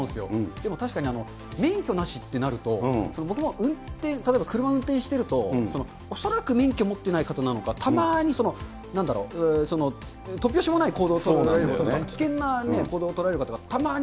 でも確かに免許なしってなると、僕も運転、例えば車の運転してると、恐らく免許持ってない方なのか、たまーに、なんだろ、突拍子もない行動をするとか、危険な行動を取られる方がたまー